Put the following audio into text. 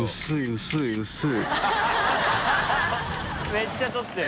めっちゃ撮ってる。